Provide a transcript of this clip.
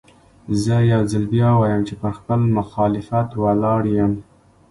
زه يو ځل بيا وايم چې پر خپل مخالفت ولاړ يم.